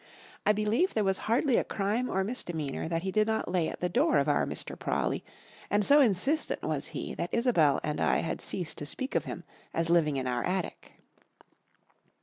I believe there was hardly a crime or misdemeanour that he did not lay at the door of our Mr. Prawley, and so insistent was he that Isobel and I had ceased to speak of him as living in our attic.